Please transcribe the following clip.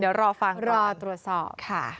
เดี๋ยวรอฟังก่อนรอตรวจสอบ